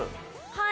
はい。